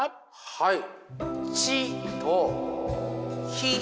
はい！